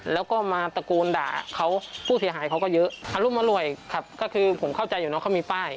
แล้วก็มาตะโกนด่าเขาผู้เสียหายเขาก็เยอะอรุมอร่วยครับก็คือผมเข้าใจอยู่เนอะเขามีป้าย